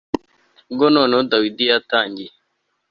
bwo noneho dawidi yatangiye